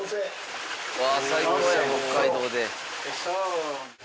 うわ最高や北海道で。